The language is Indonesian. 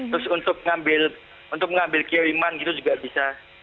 terus untuk mengambil kiriman gitu juga bisa